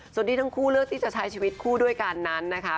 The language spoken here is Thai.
ส่วนที่ทั้งคู่เลือกที่จะใช้ชีวิตคู่ด้วยกันนั้นนะคะ